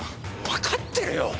わかってるよ！